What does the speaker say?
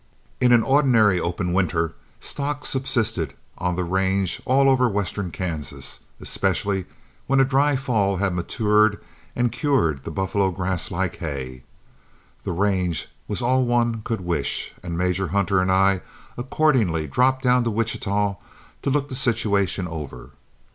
In an ordinary open winter, stock subsisted on the range all over western Kansas, especially when a dry fall had matured and cured the buffalo grass like hay. The range was all one could wish, and Major Hunter and I accordingly dropped down to Wichita to look the situation over.